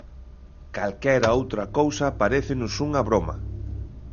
Calquera outra cousa parécenos unha broma.